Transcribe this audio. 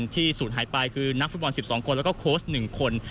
ที่สูดหายไปคือนักฟุตบอล๑๒คนแล้วก็โคสต์๑คน